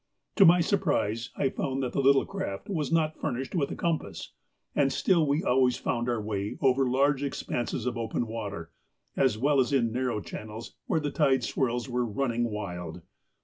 To my surprise I found that the little craft was not furnished with a compass. And still we always found our way over large expanses of open water, as well as in narrow channels, where the tide swirls were running wild.